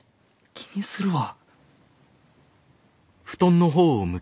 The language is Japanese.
気にするわ。